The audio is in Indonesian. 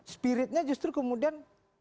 spiritnya justru kemudian